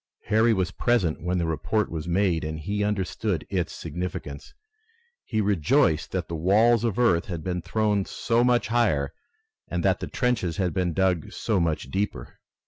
Harry was present when the report was made and he understood its significance. He rejoiced that the walls of earth had been thrown so much higher and that the trenches had been dug so much deeper.